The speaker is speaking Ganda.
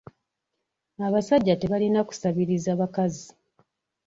Abasajja tebalina kusabiriza bakazi.